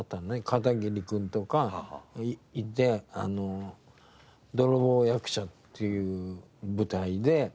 片桐君とかいて『泥棒役者』っていう舞台で一緒になって。